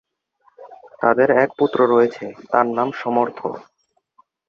তাদের এক পুত্র রয়েছে, তার নাম সমর্থ।